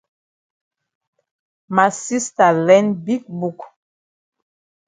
Ma sista learn big book.